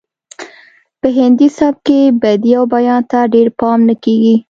په هندي سبک کې بدیع او بیان ته ډیر پام نه کیږي